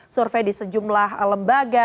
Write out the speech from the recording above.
survei di sejumlah lembaga